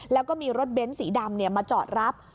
แล้วก็มีรถเบ้นสีดำมาจอดรับ